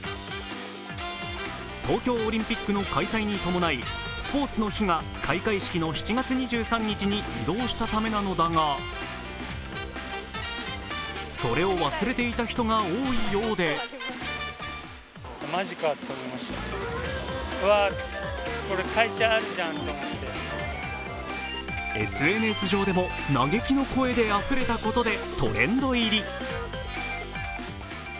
東京オリンピックの開催に伴いスポーツの日が開会式の７月２３日に移動したためなのだがそれを忘れていた人が多いようでＳＮＳ上でも嘆きの声であふれたことでトレンド入り。